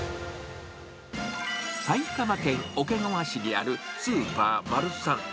埼玉県桶川市にあるスーパーマルサン。